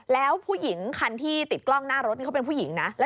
แล้วผู้หญิงคันที่ติดกล้องหน้ารถนี่เขาเป็นผู้หญิงนะ